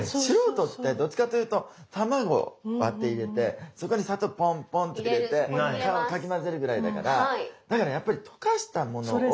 素人ってどっちかっていうと卵を割って入れてそこに砂糖をポンポンって入れてかき混ぜるぐらいだからだからやっぱり溶かしたものを。